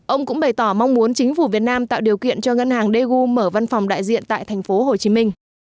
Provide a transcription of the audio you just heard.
ông cũng bày tỏ mong muốn chính phủ việt nam tạo điều kiện cho ngân hàng daegu mở văn phòng đại diện tại thành phố hồ chí minh